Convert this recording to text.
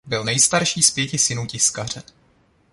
Byl nejstarší z pěti synů tiskaře.